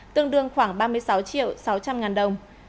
tương đương khoảng ba mươi sáu triệu sáu trăm linh ngàn đồng